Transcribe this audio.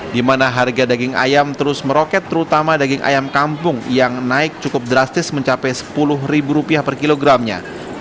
di mana harga daging ayam terus meroket terutama daging ayam kampung yang naik cukup drastis mencapai rp sepuluh per kilogramnya